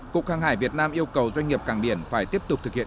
cục hàng hải việt nam yêu cầu doanh nghiệp càng biển phải tiếp tục thực hiện